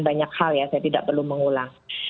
banyak hal ya saya tidak perlu mengulang